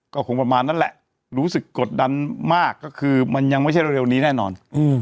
ก็คงประมาณนั้นแหละรู้สึกกดดันมากก็คือมันยังไม่ใช่เร็วนี้แน่นอน